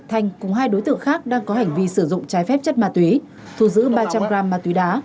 thanh cùng hai đối tượng khác đang có hành vi sử dụng trái phép chất ma túy thu giữ ba trăm linh gram ma túy đá